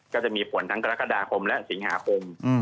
ก็จะมีผลทั้งกรกฎาคมและสิงหาคม